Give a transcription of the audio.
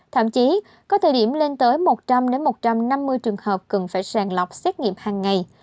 thậm chí có thời điểm lên tới một trăm linh một trăm năm mươi trường hợp cần phải sàng lọc xét nghiệm hàng ngày